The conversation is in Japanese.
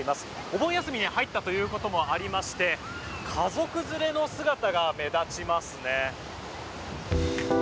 お盆休みに入ったということもありまして家族連れの姿が目立ちますね。